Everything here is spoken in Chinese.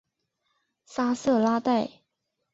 沙瑟拉代。